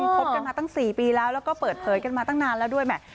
คบกันมาตั้ง๔ปีแล้วแล้วก็เปิดเผยกันมาตั้งนานแล้วด้วยแหม